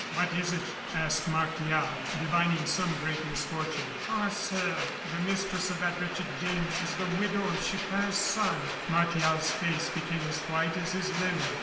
"What is it?" asked Martial, divining some great misfortune. "Ah, sir, the mistress of that wretched den is the widow of Chupin's son " Martial's face became as white as his linen.